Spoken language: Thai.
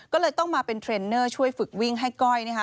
ก็เลยต้องมาเป็นเทรนเนอร์ช่วยฝึกวิ่งให้ก้อยนะคะ